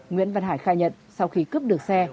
nguyễn văn hải khai nhận sau khi cướp được xe